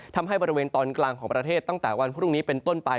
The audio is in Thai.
ทำให้บริเวณตอนกลางของประเทศตั้งแต่วันพรุ่งนี้เป็นต้นไป